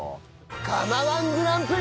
釜−１グランプリ！